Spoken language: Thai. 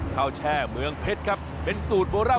แช่เมืองเพชรครับเป็นสูตรโบราณ